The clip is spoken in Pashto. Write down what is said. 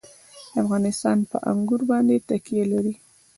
افغانستان په انګور باندې تکیه لري.